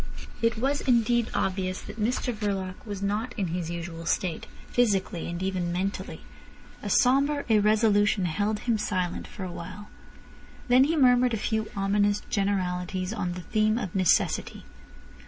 It was indeed obvious that Mr Verloc was not in his usual state, physically and even mentally. A sombre irresolution held him silent for a while. Then he murmured a few ominous generalities on the theme of necessity.